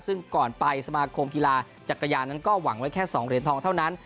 ซึ่งก่อนไปสมาคมกีฬาจักรยานนั้นก็หวังไว้แค่๒เหรียญทองเท่านั้น